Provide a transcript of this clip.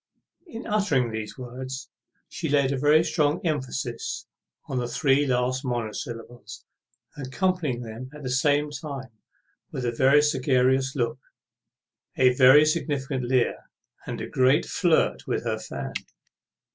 In uttering these words she laid a very strong emphasis on the three last monosyllables, accompanying them at the same time with a very sagacious look, a very significant leer, and a great flirt with her fan.